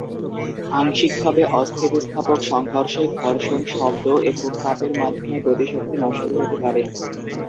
আংশিকভাবে অস্থিতিস্থাপক সংঘর্ষে, ঘর্ষণ, শব্দ এবং তাপের মাধ্যমে গতিশক্তি নষ্ট হতে পারে।